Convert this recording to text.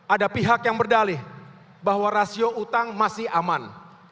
ada pihak yang berdalih bahwa rasio utang masih aman